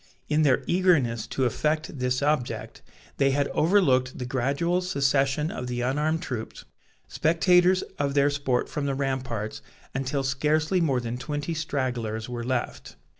In their eagerness to effect this object, they had overlooked the gradual secession of the unarmed troops, spectators of their sport from the ramparts, until scarcely more than twenty stragglers were left.